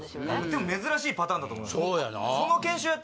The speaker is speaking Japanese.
でも珍しいパターンだと思いますそうやな